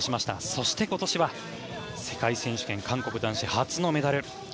そして、今年は世界選手権韓国男子初のメダル。